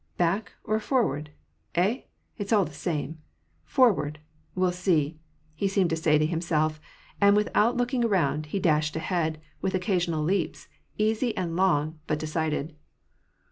" Back or forward ? Eh ! it's all the same ! Forward ; we'll see," he seemed to say to himself ; and, without looking around, he dashed ahead, with occasional leaps, easy and long, but de cided.